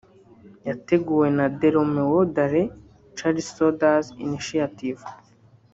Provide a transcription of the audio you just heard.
yateguwe na “The Romeo Dallaire Child Soldiers initiative”